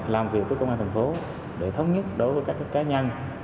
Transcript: làm việc với công an thành phố để thống nhất đối với các cá nhân